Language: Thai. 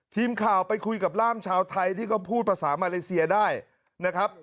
ทีมข่าวไปคุยกับร่ามชาวไทยที่เขาพูดภาษามาเลเซียได้นะครับ